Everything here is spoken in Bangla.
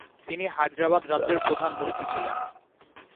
তিনি হায়দ্রাবাদ রাজ্যের প্রধান মুফতি ছিলেন।